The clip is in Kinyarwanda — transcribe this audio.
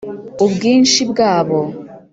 ubwinshi bwabo